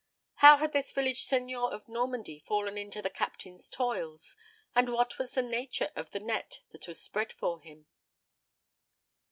How had this village seigneur of Normandy fallen into the Captain's toils; and what was the nature of the net that was spread for him?